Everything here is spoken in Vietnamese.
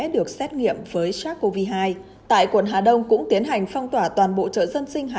được xét nghiệm với sars cov hai tại quận hà đông cũng tiến hành phong tỏa toàn bộ chợ dân sinh